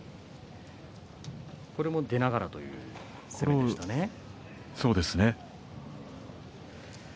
これも出ながらという攻めでしたね。